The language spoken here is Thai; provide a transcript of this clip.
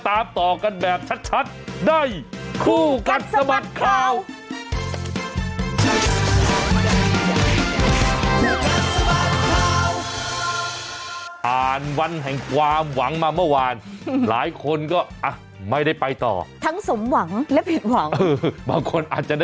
อ่าเป็นยังไงเนี้ยอ่ะงวดเนี้ยตายอยากสงบสอบสีน้ำภูมิได้เจ๊งวด